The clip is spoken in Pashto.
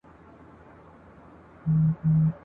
ستا په دوه دلیله ژوند در ختمومه !.